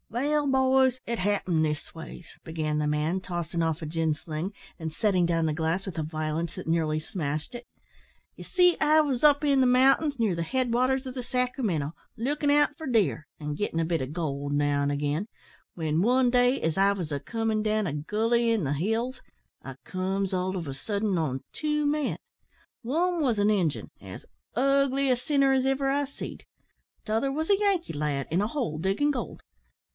"Wall, boys, it happened this ways," began the man, tossing off a gin sling, and setting down the glass with a violence that nearly smashed it. "Ye see I wos up in the mountains, near the head waters o' the Sacramento, lookin' out for deer, and gittin' a bit o' gold now an' again, when, one day, as I was a comin' down a gully in the hills, I comes all of a suddint on two men. One wos an Injun, as ugly a sinner as iver I seed; t'other wos a Yankee lad, in a hole diggin' gold.